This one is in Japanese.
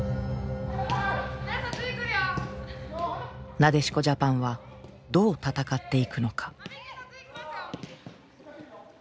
なでしこジャパンはどう戦っていくのか。